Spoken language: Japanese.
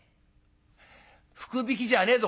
「福引きじゃねえぞ